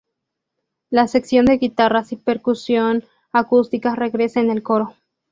La sección de guitarras y percusión acústica regresa en el coro.